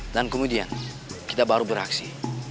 dan kemudian kita baru beraksi